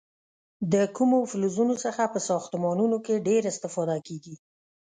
د کومو فلزونو څخه په ساختمانونو کې ډیره استفاده کېږي؟